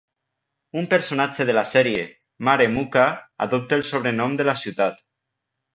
Un personatge de la sèrie, Mare Mucca, adopta el sobrenom de la ciutat.